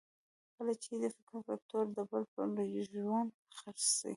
کله چې یې د فکر فکټورنه د بل پر ژرندو څرخي.